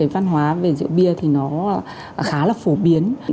văn hóa về rượu bia khá là phổ biến